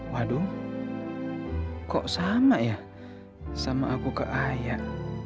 waduh kok sama ya sama aku ke ayah